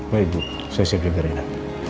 baik bu saya siap jaga rena